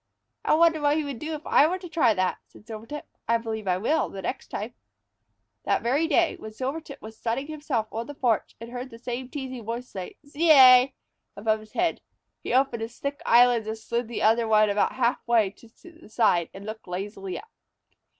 "I wonder what he would do if I were to try that?" said Silvertip. "I believe I will the next time." That very day, when Silvertip was sunning himself on the porch and heard the same teasing voice say, "Zeay!" above his head, he opened his thick eyelids and slid the other ones about half way to one side, and looked lazily up.